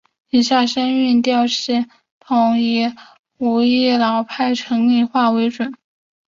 以下声韵调系统以武义老派城里话为准。